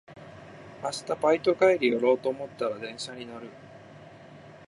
明日バイト帰り寄ろうと思ったら電車に乗る